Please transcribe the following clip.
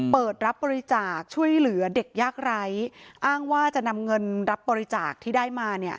เปิดรับบริจาคช่วยเหลือเด็กยากไร้อ้างว่าจะนำเงินรับบริจาคที่ได้มาเนี่ย